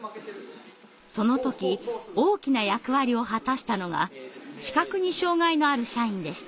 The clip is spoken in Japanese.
その時大きな役割を果たしたのが視覚に障害のある社員でした。